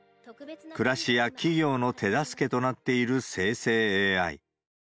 暮らしや企業の手助けとなっている生成ＡＩ。